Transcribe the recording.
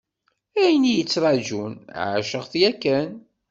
Ayen i y-ittrajun, ɛaceɣ-t yakan.